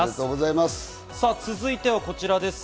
続いてこちらです。